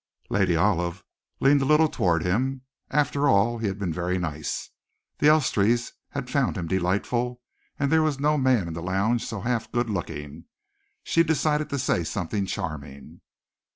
Lady Olive leaned a little towards him. After all, he had been very nice. The Elstrees had found him delightful, and there was no man in the lounge half so good looking. She decided to say something charming.